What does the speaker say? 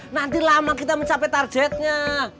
nanti lama kita mencapai targetnya